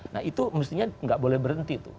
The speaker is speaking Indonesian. nah itu mestinya nggak boleh berhenti tuh